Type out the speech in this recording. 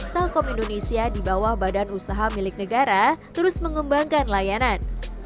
telkom indonesia di bawah badan usaha milik negara terus mengembangkan layanan